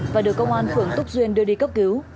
và được công an phường túc duyên đưa đi cấp cứu